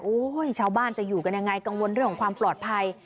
ชาวบ้านจะอยู่กันยังไงกังวลเรื่องของความปลอดภัย